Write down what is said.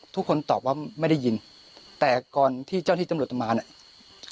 ทุกคนตอบว่าไม่ได้ยินแต่ก่อนที่เจ้าหน้าที่ตำรวจจะมาเนี่ย